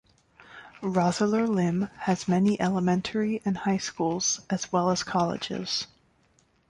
Roseller Lim has many elementary and high schools, as well as colleges.